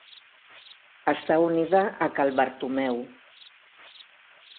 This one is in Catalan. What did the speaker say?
Està unida a Cal Bartomeu.